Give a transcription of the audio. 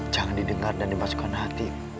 jangan didengar dan dimasukkan hati